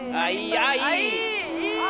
あぁいい。